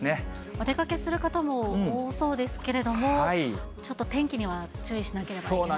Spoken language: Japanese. お出かけする方も多そうですけれども、ちょっと天気には注意しなければいけないですね。